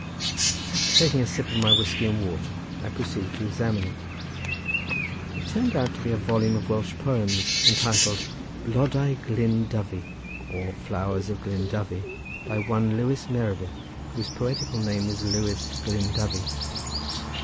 After taking a sip of my whiskey and water, I proceeded to examine it. It turned out to be a volume of Welsh poems entitled Blodau Glyn Dyfi, or, Flowers of Glyn Dyfi, by one Lewis Meredith, whose poetical name is Lewis Clyn Dyfi.